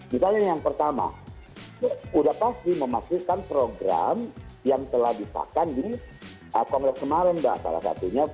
misalnya yang pertama sudah pasti memastikan program yang telah disahkan di kongres kemarin mbak salah satunya